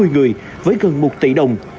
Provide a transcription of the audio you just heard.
hai trăm sáu mươi người với gần một tỷ đồng